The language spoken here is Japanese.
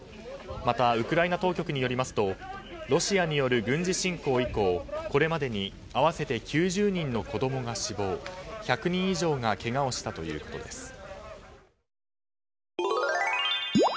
またウクライナ当局によりますとロシアによる軍事侵攻以降これまでに合わせて９０人の子供が死亡１００人以上がけがをしたということです。